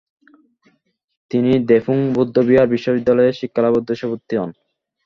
তিনি দ্রেপুং বৌদ্ধবিহার বিশ্ববিদ্যালয়ে শিক্ষালাভের উদ্দেশ্যে ভর্তি হন।